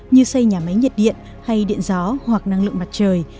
như xây nhà máy nhiệt điện hay điện gió hoặc năng lượng mặt trời